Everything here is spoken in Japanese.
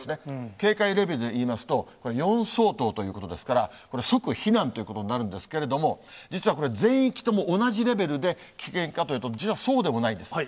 警戒レベルでいいますと、これ、４相当ということですから、これ、即避難ということになるんですけれども、実はこれ、全域とも同じレベルで危険かというと、実はそうでもないんです。